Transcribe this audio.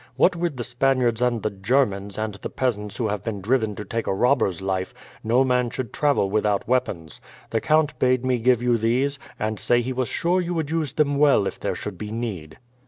"What with the Spaniards and the Germans, and the peasants who have been driven to take to a robber's life, no man should travel without weapons. The count bade me give you these, and say he was sure you would use them well if there should be need."